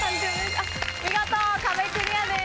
見事壁クリアです。